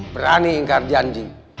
berani ingkar janji